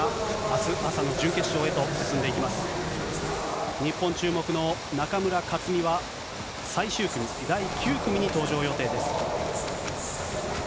日本注目の中村克は最終組、第９組に登場予定です。